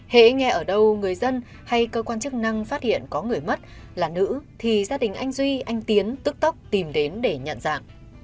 hãy nghe ở đâu người dân hay cơ quan chức năng phát hiện có người mất là nữ thì gia đình anh duy anh tiến tức tốc tìm đến để nhận dạng